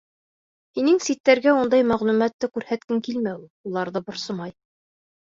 Һинең ситтәргә ундай мәғлүмәтте күрһәткең килмәүе уларҙы борсомай.